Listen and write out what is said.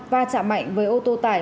va chạm mạnh với ô tô tải